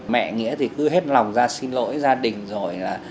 mẹ nghĩa thì cứ hết lòng ra xin lỗi gia đình rồi là